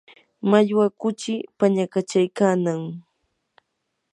mallwa kuchii pañakachaykannam